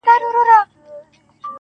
o ما درته وژړل، ستا نه د دې لپاره.